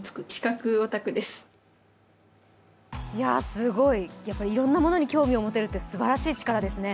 すごい、いろんなものに興味を持てるってすばらしい力ですね。